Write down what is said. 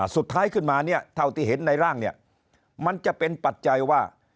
สุดท้ายขึ้นมาเนี่ยเท่าที่เห็นในร่างเนี่ยมันจะเป็นปัจจัยว่า